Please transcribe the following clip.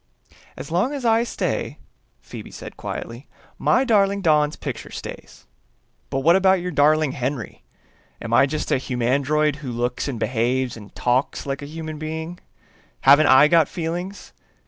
"As long as I stay," Phoebe said quietly, "my darling Don's picture stays." "But what about your darling Henry? Am I just a humandroid who looks and behaves and talks like a human being? Haven't I got feelings?"